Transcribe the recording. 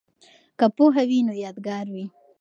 که پوهه وي نو یادګار وي.